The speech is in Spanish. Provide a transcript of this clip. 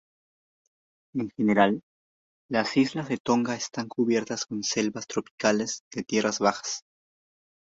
En general, las islas de Tonga están cubiertas con selvas tropicales de tierras bajas.